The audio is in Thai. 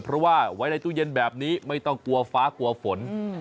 เพราะว่าไว้ในตู้เย็นแบบนี้ไม่ต้องกลัวฟ้ากลัวฝน